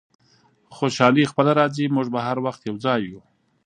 خوشحالي خپله راځي، موږ به هر وخت یو ځای یو.